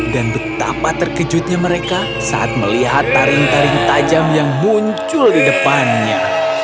dan betapa terkejutnya mereka saat melihat taring taring tajam yang muncul di depannya